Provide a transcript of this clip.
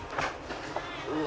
うわ。